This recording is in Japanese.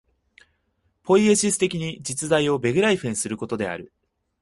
ポイエシス的に実在をベグライフェンすることである。